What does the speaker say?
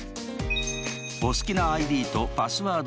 お好きなＩＤとパスワードを設定。